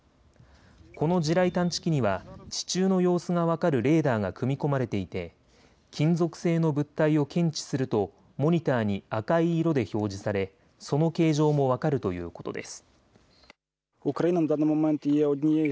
この地雷探知機には地中の様子が分かるレーダーが組み込まれていて金属製の物体を検知するとモニターに赤い色で表示されその形状も分かるということです。